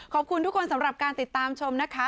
ขอบคุณทุกคนสำหรับการติดตามชมนะคะ